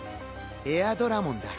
エアドラモンだ。